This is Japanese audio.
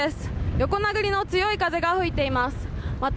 横殴りの強い風が吹いています。